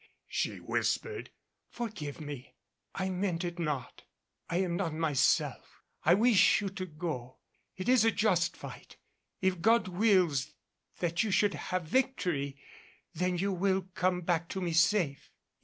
she whispered. "Forgive me. I meant it not. I am not myself. I wish you to go. It is a just fight. If God wills that you should have victory, then you will come back to me safe.